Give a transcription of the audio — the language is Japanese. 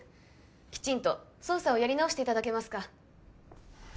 きちんと捜査をやり直していただけますか？